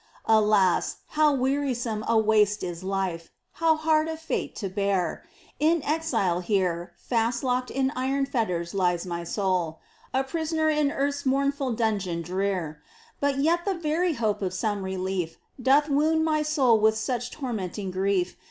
Alas, how wearisome a waste is life ! How hard a fate to bear ! In exile here Fast locked in iron fetters lies my soul, A prisoner in earth's mournful dungeon drear. But yet the very hope of some relief Doth wound my soul with such tormenting grief.